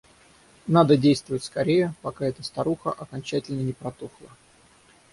Надо действовать скорее, пока эта старуха окончательно не протухла.